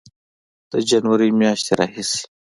د جنورۍ میاشتې راهیسې